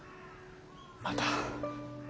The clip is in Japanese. また。